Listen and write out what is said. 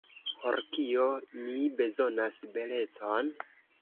Por kio mi bezonas belecon?